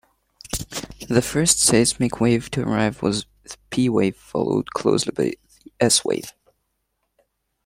The first seismic wave to arrive was the P-wave, followed closely by the S-wave.